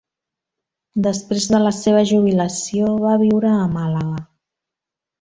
Després de la seva jubilació va viure a Màlaga.